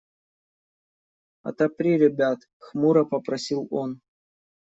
– Отопри ребят, – хмуро попросил он.